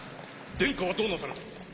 殿下はどうなされた？